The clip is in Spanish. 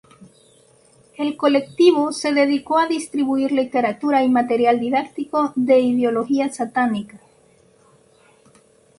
El colectivo se dedicó a distribuir literatura y material didáctico de ideología satánica.